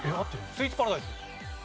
スイーツパラダイス。